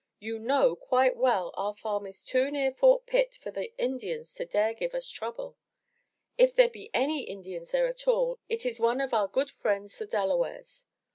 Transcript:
You know quite well our farm is too near Fort Pitt for the Indians to dare give us trouble. If there be any Indians there at all, it is one of our good friends, the Delawares.